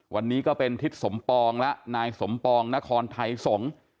วันนี้ก็เป็นทิศสมปองและนายสมปองนครไทยสงฆ์